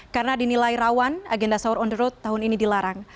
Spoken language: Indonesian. karena dinilai rawan agenda saur on the road tahun ini dilarang